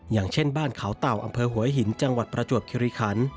อย่างเช่นบ้านเขาเต่าอำเภอหัวหินจังหวัดประจวบคิริคัน